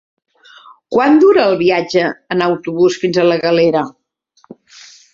Quant dura el viatge en autobús fins a la Galera?